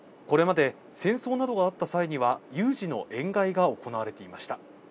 これまで戦争などがあった際には有事の円買いが行われていました。